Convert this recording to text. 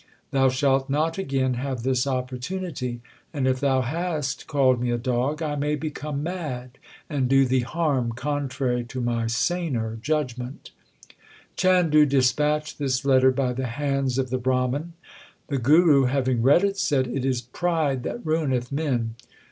Thou shalt not again have this opportunity. And if thou hast called me a dog I may become mad, and do thee harm contrary to my saner judgement/ Chandu dispatched this letter by the hands of the Brahman. The Guru having read it said : It is pride that ruineth men.